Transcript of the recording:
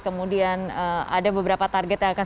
kemudian ada beberapa target yang akan